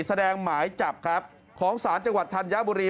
หมายจับครับของศาลจังหวัดธัญบุรี